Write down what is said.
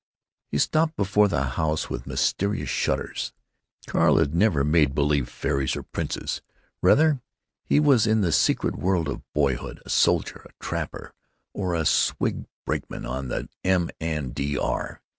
He stopped before the House with Mysterious Shutters. Carl had never made b'lieve fairies or princes; rather, he was in the secret world of boyhood a soldier, a trapper, or a swing brakeman on the M. & D. R.R.